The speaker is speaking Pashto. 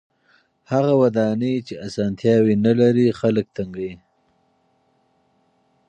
هغه ودانۍ چې اسانتیاوې نلري خلک تنګوي.